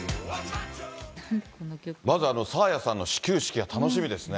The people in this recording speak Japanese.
まずあの沙亜也さんの始球式が楽しみですね。